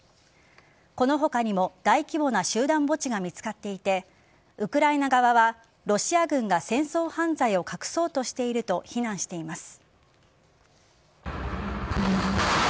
この他にも大規模な集団墓地が見つかっていてウクライナ側はロシア軍が戦争犯罪を隠そうとしていると非難しています。